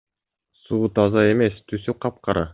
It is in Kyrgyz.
Суу таза эмес, түсү капкара.